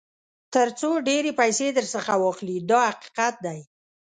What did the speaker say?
تر څو ډېرې پیسې درڅخه واخلي دا حقیقت دی.